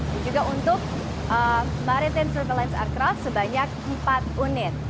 dan juga untuk maritime surveillance aircraft sebanyak empat unit